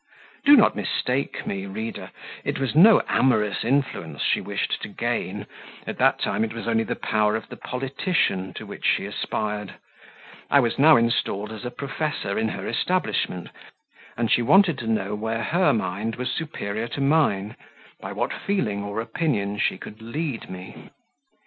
Do not mistake me, reader, it was no amorous influence she wished to gain at that time it was only the power of the politician to which she aspired; I was now installed as a professor in her establishment, and she wanted to know where her mind was superior to mine by what feeling or opinion she could lead me.